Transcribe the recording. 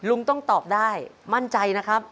ลุงต้องตอบได้มั่นใจนะครับ